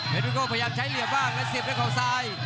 นุโก้พยายามใช้เหลี่ยมบ้างและเสียบด้วยเขาซ้าย